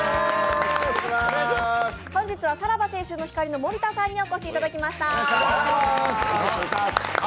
本日はさらば青春の光の森田さんにもお越しいただきました。